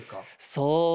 そう。